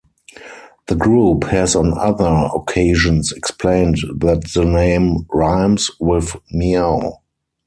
The group has on other occasions explained that the name "rhymes with meow".